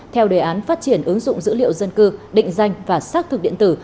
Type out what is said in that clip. theo đề án phát triển ứng dụng dữ liệu dân cư định danh và xác thực điện tử